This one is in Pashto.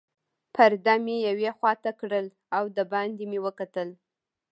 پرده مې یوې خواته کړل او دباندې مې وکتل.